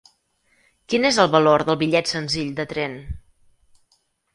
Quin és el valor del bitllet senzill de tren?